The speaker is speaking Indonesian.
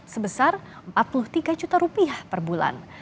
sebesar empat puluh tiga juta rupiah per bulan